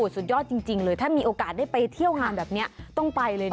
สุดยอดจริงเลยถ้ามีโอกาสได้ไปเที่ยวงานแบบนี้ต้องไปเลยนะ